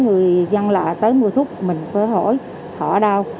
người dân lạ tới mua thuốc mình phải hỏi họ ở đâu